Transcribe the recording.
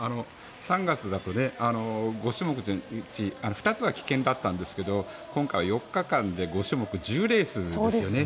３月だと５種目のうち２つは棄権だったんですけど今回は４日間で５種目１０レースですよね。